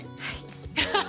ハハハッ！